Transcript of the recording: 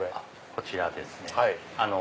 こちらですね。